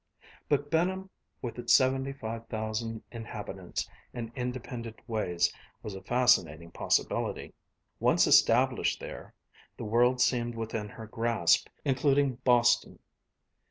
But Benham with its seventy five thousand inhabitants and independent ways was a fascinating possibility. Once established there the world seemed within her grasp, including Boston.